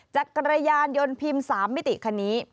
จักรยานยนต์พิมพ์๓มิติคันนี้